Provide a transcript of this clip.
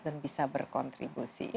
dan bisa berkontribusi